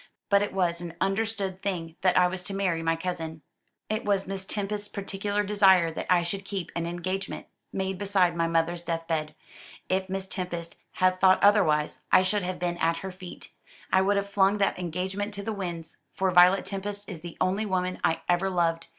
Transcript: But it was an understood thing that I was to marry my cousin. It was Miss Tempest's particular desire that I should keep an engagement made beside my mother's death bed. If Miss Tempest had thought otherwise, I should have been at her feet. I would have flung that engagement to the winds; for Violet Tempest is the only woman I ever loved.